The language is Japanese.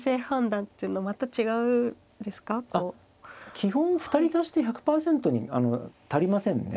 基本２人足して１００％に足りませんね。